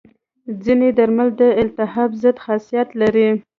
ځینې درمل د التهاب ضد خاصیت لري.